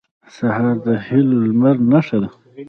سهار د هيلو د لمر نښه ده.